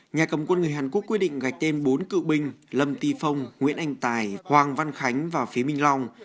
nhà cầm quân người hàn quốc quyết định gạch tên bốn cựu binh lâm ti phong nguyễn anh tài hoàng văn khánh và phía minh long